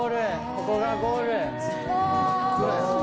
ここがゴール。